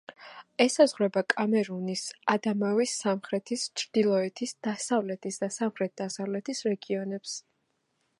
ესაზღვრება კამერუნის ადამავის, სამხრეთის, ჩრდილოეთის, დასავლეთის და სამხრეთ-დასავლეთის რეგიონებს.